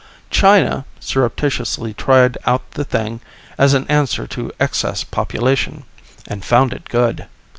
China surreptitiously tried out the thing as an answer to excess population, and found it good.